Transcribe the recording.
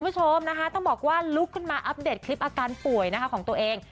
คุณผู้ชมนะคะต้องบอกว่าลุกขึ้นมาอัปเดตคลิปอาการป่วยนะคะของตัวเอง